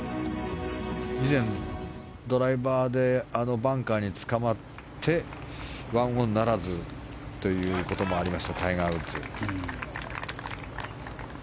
以前、ドライバーであのバンカーにつかまって１オンならずということもありましたタイガー・ウッズ。